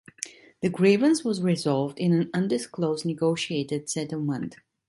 The grievance was resolved in an undisclosed negotiated settlement.